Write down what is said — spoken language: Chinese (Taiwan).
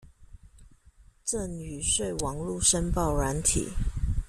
贈與稅網路申報軟體